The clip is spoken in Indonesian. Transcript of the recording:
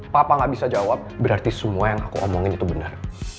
papa gak bisa jawab berarti semua yang aku omongin itu benar